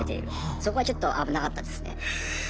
そこはちょっと危なかったですね。